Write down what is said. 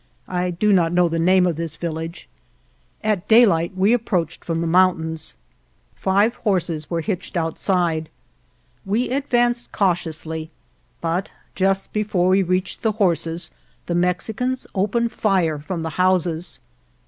(I do not know the name of this village.) At day light we approached from the mountains. i Geronimo had married again. 55 GERONIMO Five horses were hitched outside. We ad vanced cautiously, but just before we reached the horses the Mexicans opened fire from the houses.